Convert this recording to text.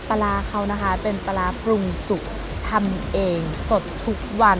ปลาร้าเขานะคะเป็นปลาร้าปรุงสุกทำเองสดทุกวัน